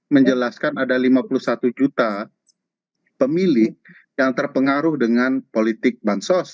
menjelaskan ada lima puluh satu juta pemilih yang terpengaruh dengan politik bansos